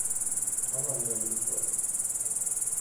А нам не один чорт.